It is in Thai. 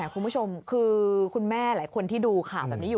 คุณผู้ชมคือคุณแม่หลายคนดูข่าวครับ